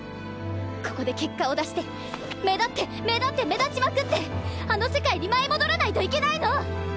ここで結果を出して目立って目立って目立ちまくってあの世界に舞い戻らないといけないの！